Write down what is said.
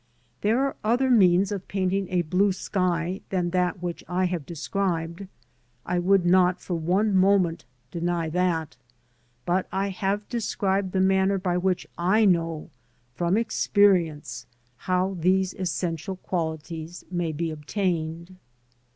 There are other means of painting a blue sky than that which I have described, I would not for one moment deny that, but I have described the manner by which I know from experience how these essential qualities may be obtained.